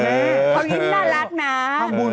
เขายิ้มน่ารักนะ